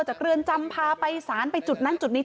เรือนจำพาไปสารไปจุดนั้นจุดนี้